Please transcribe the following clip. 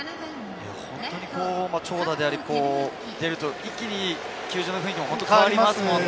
長打であり、出ると一気に球場の雰囲気も変わりますね。